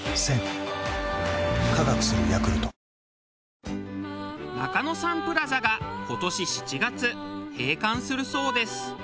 ダイハツ中野サンプラザが今年７月閉館するそうです。